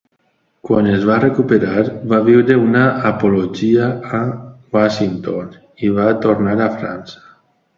Quan es va recuperar, va escriure una apologia a Washington i va tornar a França.